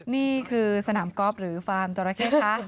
นี่คือสนามกอล์ฟหรือฟาร์มจราเข้คะ